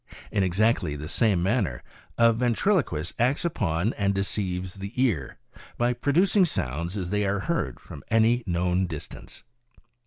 In exactly the same manner a ventriloquist acts upon and deceives the ear, by producing sounds as they are heard from any known distance."